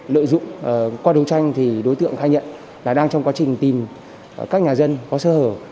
lợi dụng qua đấu tranh thì đối tượng khai nhận là đang trong quá trình tìm các nhà dân có sơ hở